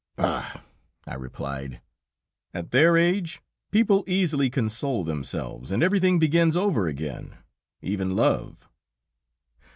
"Bah!" I replied, "at their age people easily console themselves, and everything begins over again, even love!"